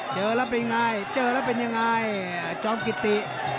เจอแล้วเป็นยังไงจอมกิตติ